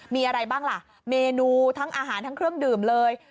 มีอะไรบ้างล่ะเมนูทั้งอาหารทั้งเครื่องดื่มเลย